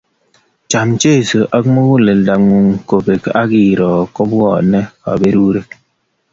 Cham Jeso ak muguleldo ngung kobek akiro kobwonei kaberurek